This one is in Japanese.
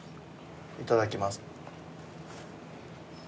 いただきますうん。